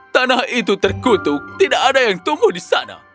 tanah itu terkutuk tidak ada yang tumbuh di sana